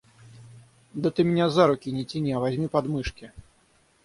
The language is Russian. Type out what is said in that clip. Да ты меня за руки не тяни, а возьми под мышки.